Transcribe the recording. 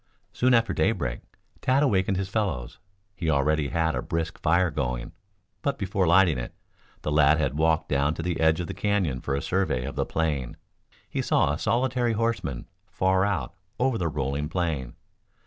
Soon after daybreak, Tad awakened his fellows. He already had a brisk fire going, but before lighting it, the lad had walked down to the edge of the canyon for a survey of the plain. He saw a solitary horseman far out over the rolling plain.